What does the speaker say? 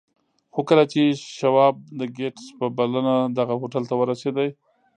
خو کله چې شواب د ګيټس په بلنه دغه هوټل ته ورسېد.